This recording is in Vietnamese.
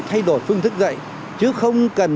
thay đổi phương thức dạy chứ không cần